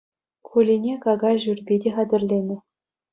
Кулине какай шӳрпи те хатӗрленӗ.